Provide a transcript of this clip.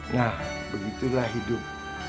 nah begitulah hidup